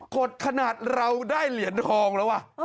กดขนาดเราได้เหรียญทองแล้วว่ะ